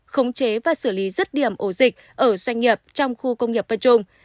khống chế và xử lý rứt điểm ổ dịch ở doanh nghiệp trong khu công nghiệp pơ trung